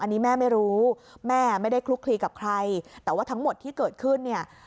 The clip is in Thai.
อันนี้แม่ไม่รู้แม่ไม่ได้คลุกคลีกับใครแต่ว่าทั้งหมดที่เกิดขึ้นเนี่ย